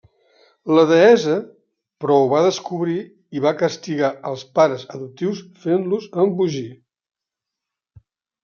La deessa, però ho va descobrir i va castigar els pares adoptius fent-los embogir.